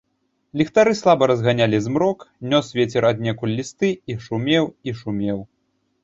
Ліхтары слаба разганялі змрок, нёс вецер аднекуль лісты і шумеў і шумеў.